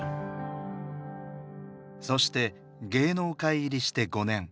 そして芸能界入りして５年。